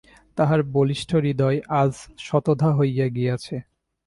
তাহার বলিষ্ঠ হৃদয় আজ শতধা হইয়া গিয়াছে।